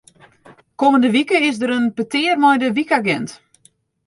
Kommende wike is der in petear mei de wykagint.